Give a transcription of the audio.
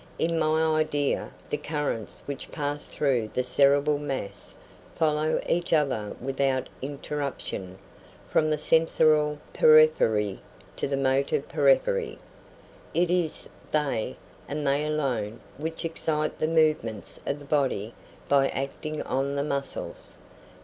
In my idea, the currents which pass through the cerebral mass follow each other without interruption, from the sensorial periphery to the motor periphery; it is they, and they alone, which excite the movements of the body by acting on the muscles.